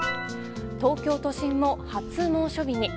東京都心も初猛暑日に。